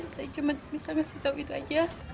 saya cuma bisa ngasih tahu itu saja